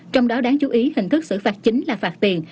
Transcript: trong đó đáng chú ý hình thức xử phạt chính là phạt tiền